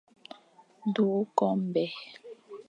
Du ñkobe.